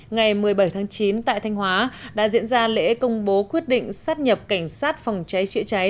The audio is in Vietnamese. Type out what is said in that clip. ngày một mươi bảy tháng chín tại thanh hóa đã diễn ra lễ công bố quyết định sát nhập cảnh sát phòng cháy chữa cháy